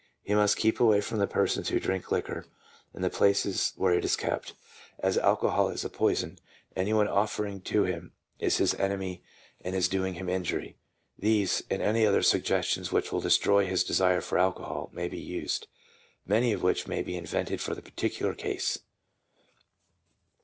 He must keep away from the persons who drink liquor, and the places where it is kept. As alcohol is a poison, any one offering it to him is his enemy and is doing 342 PSYCHOLOGY OF ALCOHOLISM. him injury. These, and any other suggestions which will destroy his desire for alcohol, may be used, many of which must be invented for the particular case.